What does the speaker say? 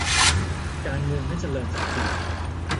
การเมืองไม่เจริญสักที